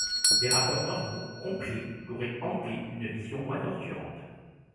Des rapports normaux, complets, l'auraient hanté d'une vision moins torturante.